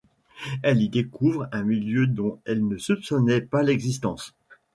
Elle y découvre un milieu dont elle ne soupçonnait pas l'existence.